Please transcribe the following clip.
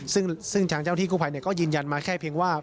ซึ่งทางเจ้าที่กู้ภัยก็ยืนยันมาแค่เพียงว่า